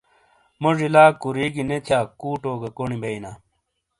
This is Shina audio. موزی لا کوریگی نے تھیا کوٹو گہ کونی بئیناں۔